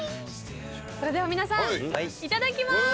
それでは皆さんいただきます！